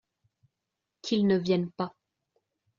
Qu’ils ne viennent pas.